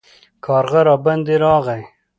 کارغه راباندې راغی